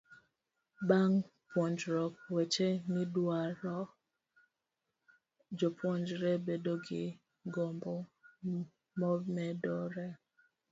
Bang' puonjruok weche nindruok, jopuonjre bedo gi gombo momedore.